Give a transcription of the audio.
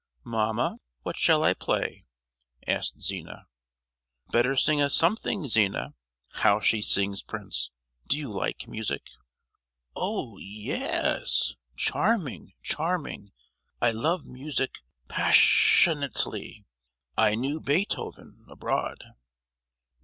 "Mamma, what shall I play?" asked Zina. "Better sing us something, Zina. How she sings, prince! Do you like music?" "Oh, ye—yes! charming, charming. I love music pass—sionately. I knew Beethoven, abroad."